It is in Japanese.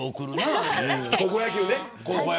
高校野球ね。